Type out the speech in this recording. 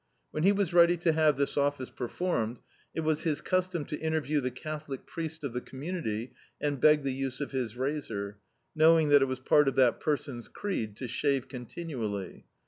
When he was ready to have this office performed, it was his custom to interview the Cath olic priest of the community, and beg the use of his razor, knowing it was part of that person's creed to shave c(Mitinually.